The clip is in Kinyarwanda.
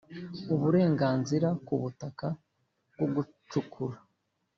Uburenganzira ku butaka bwo gucukura